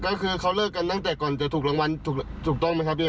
ก็คือเขาเลิกกันตั้งแต่ก่อนจะถูกรางวัลถูกต้องไหมครับพี่